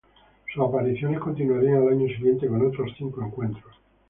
Sus apariciones continuarían al año siguiente con otros cinco encuentros.